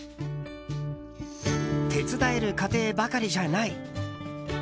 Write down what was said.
手伝える家庭ばかりじゃない。